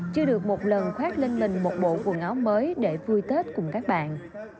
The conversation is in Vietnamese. chưa được một lần khoác lên mình một bộ quần áo mới để vui tết cùng các bạn